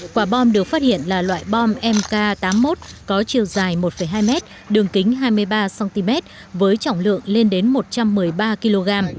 quả bom được phát hiện là loại bom mk tám mươi một có chiều dài một hai mét đường kính hai mươi ba cm với trọng lượng lên đến một trăm một mươi ba kg